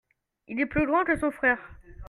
Il est plus grand que son frère.